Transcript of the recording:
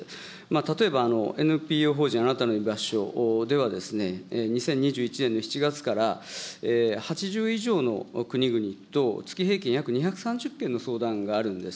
例えば、ＮＰＯ法人あなたのいばしょでは、２０２１年の７月から８０以上の国々と月平均約２３０件の相談があるんです。